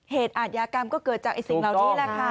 เหตุอาจยากรรมก็เกิดจากสิ่งเวลาที่นี่แหละค่ะ